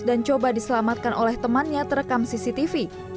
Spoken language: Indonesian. dan coba diselamatkan oleh temannya terekam cctv